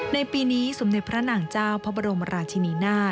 ในปีนี้สมเด็จพระนางเจ้าพระบรมราชินีนาฏ